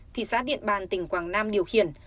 thì xã điện bàn tỉnh quảng nam điều khiển